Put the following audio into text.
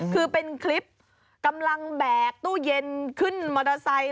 คือเป็นคลิปกำลังแบกตู้เย็นขึ้นมอเตอร์ไซค์